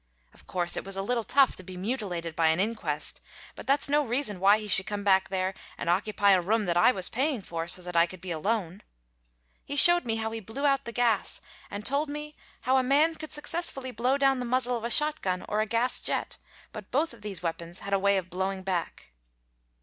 Of course it was a little tough to be mutilated by an inquest, but that's no reason why he should come back there and occupy a room that I was paying for so that I could be alone. He showed me how he blew out the gas, and told me how a man could successfully blow down the muzzle of a shot gun or a gas jet, but both of these weapons had a way of blowing back.